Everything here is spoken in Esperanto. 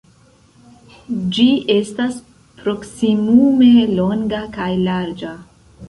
Ĝi estas proksimume longa kaj larĝa.